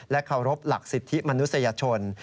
เคารพหลักสิทธิมนุษยชน